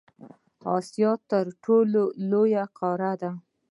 اسیا تر ټولو لویه قاره ده.